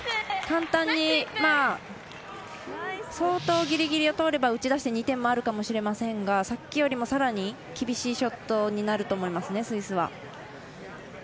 簡単に相当ぎりぎりを通れば打ち出して２点もあるかもしれませんがさっきよりもさらに厳しいショットになると思いますねスイスは。